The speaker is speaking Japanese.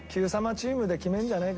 チームで決めるんじゃねえかな？